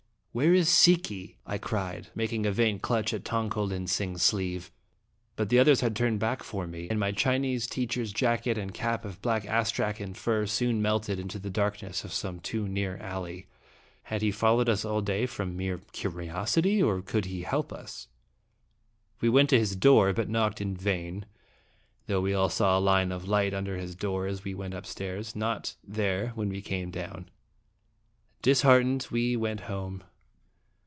" Where is Si ki?" I cried, making a vain clutch at Tong ko lin sing's sleeve. But the others had turned back for me, and my Chinese teacher's jacket and cap of black astrakhan fur soon melted into the darkness of some too near alley. Had he followed us all day from mere curiosity, or could he help us? We went to his door, but knocked in vain, though we all saw a line of light under his door as we went upstairs, not there when we came down. Disheartened, we went home.